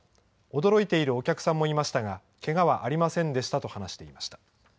驚いているお客さんもいましたが、けがはありませんでしたと話していました。